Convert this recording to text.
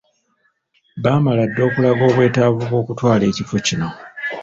Baamala dda okulaga obwetaavu bw’okutwala ekifo kino.